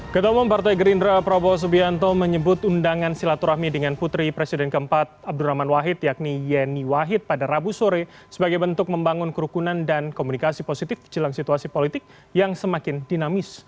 ketemu partai gerindra prabowo subianto menyebut undangan silaturahmi dengan putri presiden keempat abdurrahman wahid yakni yeni wahid pada rabu sore sebagai bentuk membangun kerukunan dan komunikasi positif jelang situasi politik yang semakin dinamis